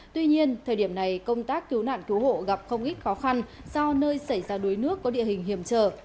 tuy nhiên thời điểm này công tác cứu nạn cứu hộ gặp không ít khó khăn do nơi xảy ra đuối nước có địa hình hiểm trở